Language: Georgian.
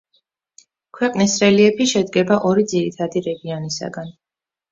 ქვეყნის რელიეფი შედგება ორი ძირითადი რეგიონისაგან.